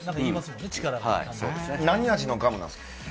何味のガムですか？